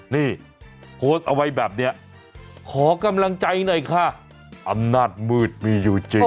นี่โพสต์เอาไว้แบบนี้ขอกำลังใจหน่อยค่ะอำนาจมืดมีอยู่จริง